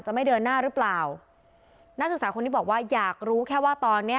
ไม่เดินหน้าหรือเปล่านักศึกษาคนนี้บอกว่าอยากรู้แค่ว่าตอนเนี้ย